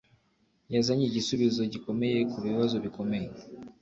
yazanye igisubizo gikomeye kubibazo bikomeye